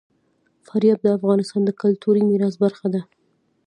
فاریاب د افغانستان د کلتوري میراث برخه ده.